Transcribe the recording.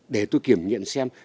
để tôi kiểm nhận xem